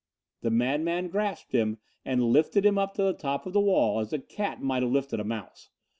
The madman grasped him and lifted him up to the top of the wall as a cat might have lifted a mouse.